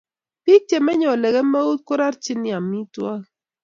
Bik chemei Ole kemeut korerchini amitwogik